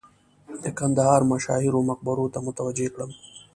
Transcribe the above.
د کندهار مشاهیرو مقبرو ته متوجه کړم.